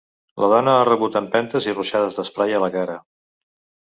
La dona ha rebut empentes i ruixades d’esprai a la cara.